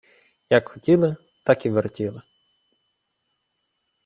Як хотіли – так і вертіли